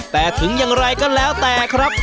แต่ถึงอย่างไรก็แล้วแต่ครับ